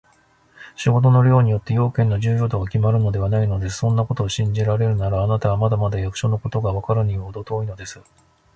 仕事の量によって、用件の重要度がきまるのではないのです。そんなことを信じられるなら、あなたはまだまだ役所のことがわかるのにはほど遠いのです。